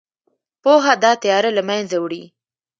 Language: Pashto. پوهه دا تیاره له منځه وړي.